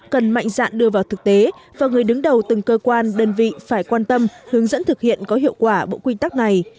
cần mạnh dạn đưa vào thực tế và người đứng đầu từng cơ quan đơn vị phải quan tâm hướng dẫn thực hiện có hiệu quả bộ quy tắc này